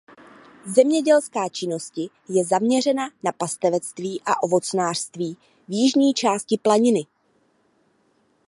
Zemědělská činnosti je zaměřena na pastevectví a ovocnářství v jižní části planiny.